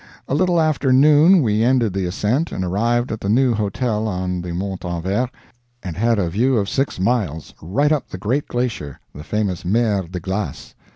A little after noon we ended the ascent and arrived at the new hotel on the Montanvert, and had a view of six miles, right up the great glacier, the famous Mer de Glace.